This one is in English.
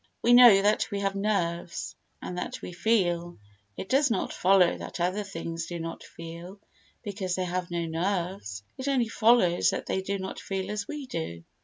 We know that we have nerves and that we feel, it does not follow that other things do not feel because they have no nerves—it only follows that they do not feel as we do.